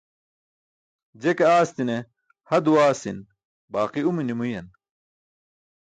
Je ke aasti̇ne ha duwaasi̇n baaqi umi numuyan.